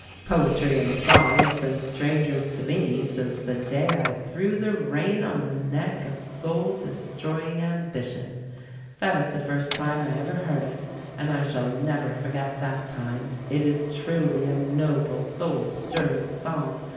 Poetry and song have been strangers to me since the day I threw the rein on the neck of soul destroying ambition. That is the first time I ever heard it, and I shall never forget that time. "It is truly a noble, soul stirring song.